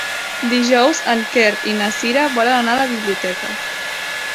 Dijous en Quer i na Cira volen anar a la biblioteca.